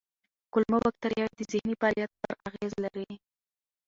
کولمو بکتریاوې د ذهني فعالیت پر اغېز لري.